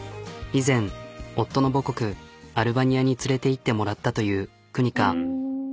以前夫の母国アルバニアに連れていってもらったというＫＵＮＩＫＡ。